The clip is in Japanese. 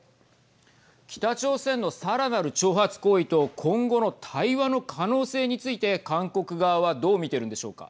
北朝鮮のさらなる挑発行為と今後の対話の可能性について韓国側はどう見ているんでしょうか。